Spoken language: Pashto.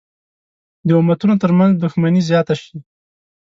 د امتونو تر منځ دښمني زیاته شي.